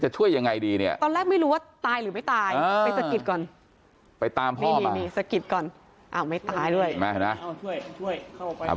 ตอนแรกไม่รู้ว่าตายหรือไม่ตายไปตามพ่อมา